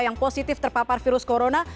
yang positif terpapar virus corona